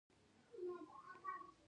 ایا زه باید لیمو وخورم؟